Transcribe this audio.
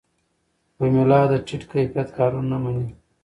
پملا د ټیټ کیفیت کارونه نه مني.